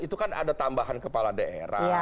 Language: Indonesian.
itu kan ada tambahan kepala daerah